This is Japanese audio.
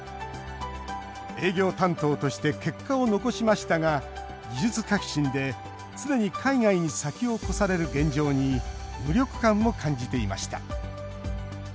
営業担当として結果を残しましたが技術革新で常に海外に先を越される現状に無力感も感じていました。